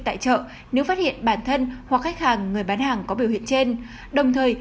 tại chợ nếu phát hiện bản thân hoặc khách hàng người bán hàng có biểu hiện trên đồng thời